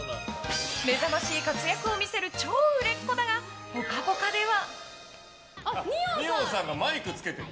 目覚ましい活躍を見せる超売れっ子だが「ぽかぽか」では。